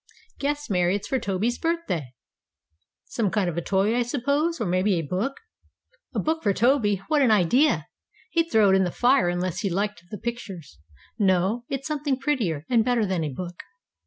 "Guess, Mary. It's for Toby's birthday." "Some kind of a toy, I suppose or maybe a book." "A book for Toby! What an idea! He'd throw it in the fire unless he liked the pictures. No, it's something prettier and better than a book."